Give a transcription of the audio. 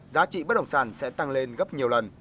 giá trị bất động sản sẽ tăng lên gấp nhiều lần